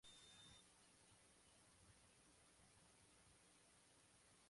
Mickey Rooney fue la estrella invitada, interpretándose a sí mismo.